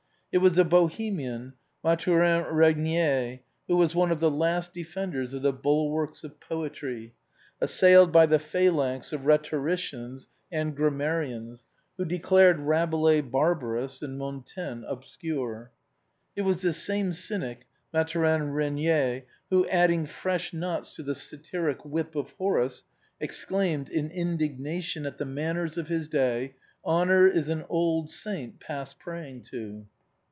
It was a Bohemian, Mathurin Eegnier, who was one of the last defenders of the bulwarks of poetry, assailed by the phalanx of rhetoricians and grammarians w^ho declared Rabelais barbarous and Montaigne obscure. It was this same cynic, Mathurin Régnier, who, adding fresh knots to the satiric whip of Horace, exclaimed, in indignation at the manners of his day, " Honor is an old saint past praying to."